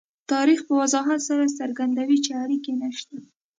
تاریخ په وضاحت سره څرګندوي چې اړیکه نشته.